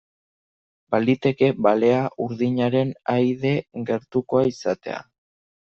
Baliteke balea urdinaren ahaide gertukoa izatea.